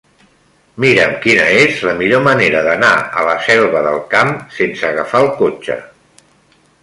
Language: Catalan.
Mira'm quina és la millor manera d'anar a la Selva del Camp sense agafar el cotxe.